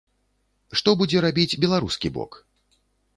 Што будзе рабіць беларускі бок?